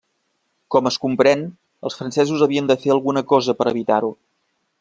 Com es comprèn, els francesos havien de fer alguna cosa per evitar-ho.